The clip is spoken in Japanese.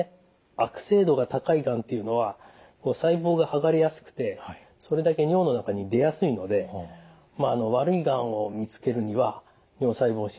悪性度が高いがんっていうのは細胞が剥がれやすくてそれだけ尿の中に出やすいので悪いがんを見つけるには尿細胞診はかなり有力ですね。